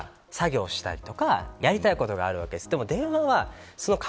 というのはこっちは作業したりとかやりたいことがあるわけです。